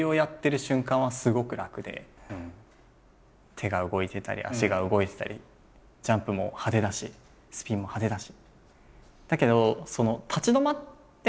手が動いてたり足が動いてたりジャンプも派手だしスピンも派手だし。